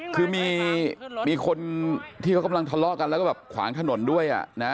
คือมีคนที่เขากำลังทะเลาะกันแล้วก็แบบขวางถนนด้วยนะ